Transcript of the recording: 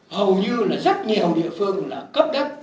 hầu như là rất nhiều địa phương là cấp đất